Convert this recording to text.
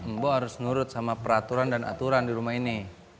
mbo harus nurut sama peraturan dan aturan di rumah ini